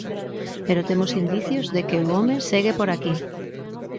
Pero temos indicios de que o home segue por aquí.